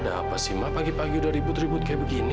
ada apa sih mbak pagi pagi udah ribut ribut kayak begini